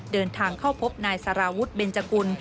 เดินทางเข้าพบนายสารวุฒิเบนจกุล